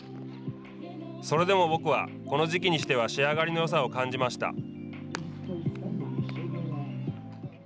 それでも僕はこの時期にしては仕上がりのよさを感じました。